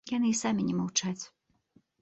Яны і самі не маўчаць.